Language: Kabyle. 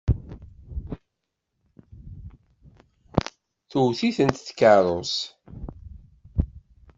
Tewwet-itent tkeṛṛust.